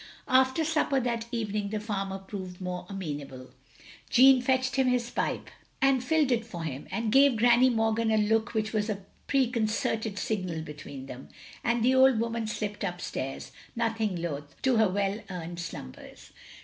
After supper that evening the farmer proved more amenable. OF GROSVENOR SQUARE 153 Jeanne fetched him his pipe, and filled it for him, and gave Granny Morgan a look which was a preconcerted signal between them, and the old woman slipped up stairs, nothing loth, to her well earned slumbers.